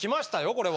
これは。